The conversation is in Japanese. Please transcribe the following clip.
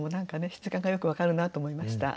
質感がよく分かるなと思いました。